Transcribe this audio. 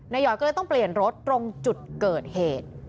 หยอยก็เลยต้องเปลี่ยนรถตรงจุดเกิดเหตุ